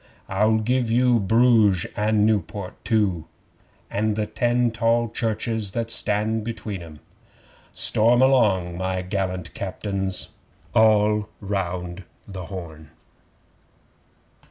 I'll give you Bruges and Niewport too, And the ten tall churches that stand between 'em.' Storm along, my gallant Captains! (All round the Horn!)